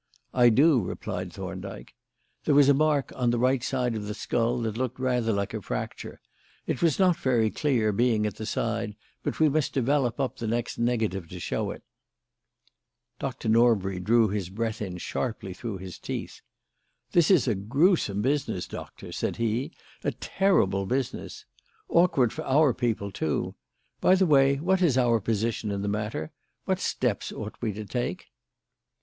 "I do," replied Thorndyke. "There was a mark on the right side of the skull that looked rather like a fracture. It was not very clear, being at the side, but we must develop up the next negative to show it." Dr. Norbury drew his breath in sharply through his teeth. "This is a gruesome business, Doctor," said he. "A terrible business. Awkward for our people, too. By the way, what is our position in the matter? What steps ought we to take?"